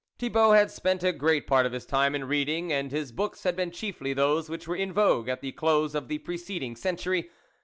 Thibault had spent a great part of his time in read ing, and his books had been chiefly those which were in vogue at the close of the preceding century.